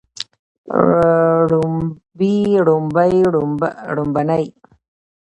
وړومبي وړومبۍ وړومبنۍ